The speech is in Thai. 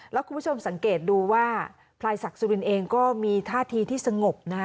แล้วคุณผู้ชมสังเกตดูว่าพลายศักดิ์สุรินเองก็มีท่าทีที่สงบนะฮะ